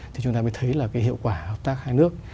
thì chúng ta mới thấy là cái hiệu quả hợp tác hai nước